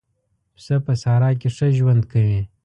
پسه په صحرا کې ښه ژوند کوي.